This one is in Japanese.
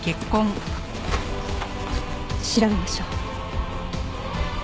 調べましょう。